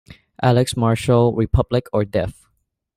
Alex Marshall, Republic or Death!